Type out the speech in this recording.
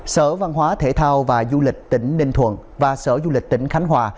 sở văn hóa thể thao và du lịch tỉnh ninh thuận và sở du lịch tỉnh khánh hòa